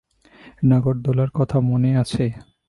নাগরদোলার কথা মনে আছে?